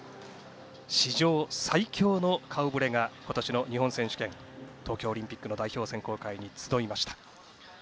史上最強の顔ぶれが今年の日本選手権東京オリンピックの代表選考会に集いました。